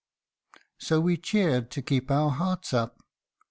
" So we cheered to keep our hearts up."